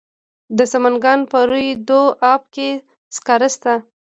د سمنګان په روی دو اب کې سکاره شته.